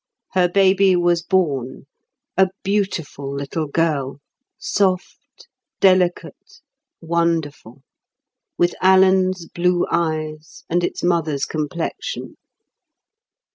Her baby was born, a beautiful little girl, soft, delicate, wonderful, with Alan's blue eyes, and its mother's complexion.